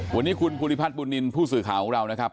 วันนี้คุณภูริพัฒนบุญนินทร์ผู้สื่อข่าวของเรานะครับ